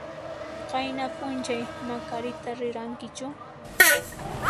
Qayna p'unchay Macarita rirankichu?